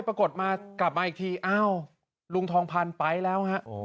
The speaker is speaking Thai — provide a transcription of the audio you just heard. ปรากฏมากลับมาอีกทีอ้าวลุงทองพันธุ์ไปแล้วฮะ